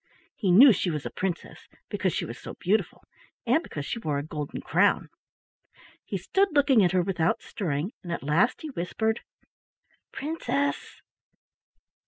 He knew she was a princess, because she was so beautiful and because she wore a golden crown. He stood looking at her without stirring, and at last he whispered: "Princess!